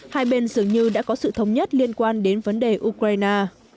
hai bên dường như đã có sự thống nhất liên quan đến vấn đề ukraine